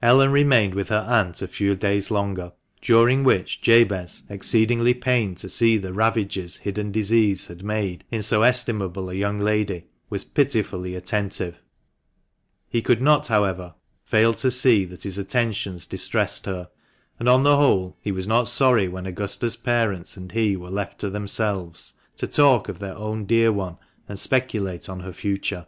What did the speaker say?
Ellen remained with her aunt a few days longer, during which Jabez, exceedingly pained to see the ravages hidden disease had made in so estimable a young lady, was pitifully attentive. He could not, however, fail to see that his attentions distressed her ; and, on the whole he was not sorry when Augusta's parents and he were left to themselves, to talk of their own dear one and speculate on her future.